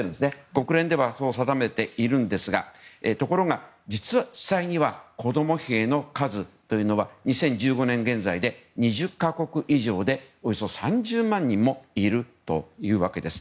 国連ではそう定めているんですがところが、実は実際の子供兵の数は２０１５年現在で２０か国以上でおよそ３０万人もいるというわけです。